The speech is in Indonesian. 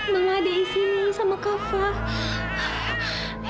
mama ada di sini sama kak fadhil